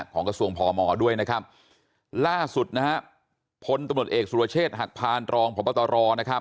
ของกระทรวงพมด้วยล่าสุดพตเอกสุรเชษหักพานตรองพตร